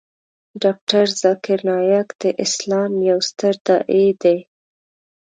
ډاکتر ذاکر نایک د اسلام یو ستر داعی دی .